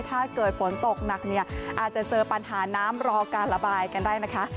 ถ้าเกิดฝนตกหนักเนี่ยอาจจะเจอปัญหาน้ำรอการระบายกันได้นะคะ